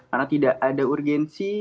karena tidak ada urgensi